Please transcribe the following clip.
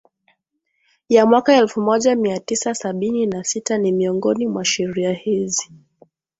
ya mwaka elfu moja mia tisa sabini na sita ni miongoni mwa sheria hizi